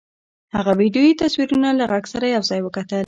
هغه ویډیويي تصویرونه له غږ سره یو ځای وکتل